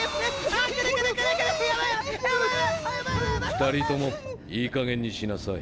２人ともいいかげんにしなさい。